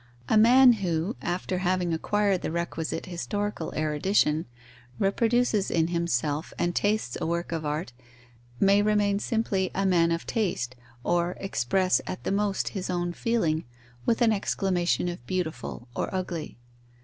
A man who, after having acquired the requisite historical erudition, reproduces in himself and tastes a work of art, may remain simply a man of taste, or express at the most his own feeling, with an exclamation of beautiful or ugly.